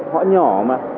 họ nhỏ mà